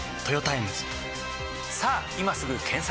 さぁ今すぐ検索！